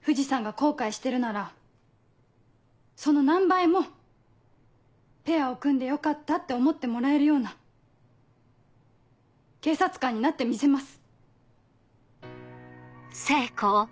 藤さんが後悔してるならその何倍もペアを組んでよかったって思ってもらえるような警察官になってみせます。